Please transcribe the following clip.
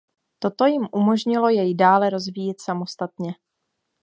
Toto jim umožnilo jej dále rozvíjet samostatně.